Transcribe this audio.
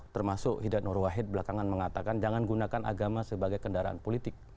termasuk hidat nur wahid belakangan mengatakan jangan gunakan agama sebagai kendaraan politik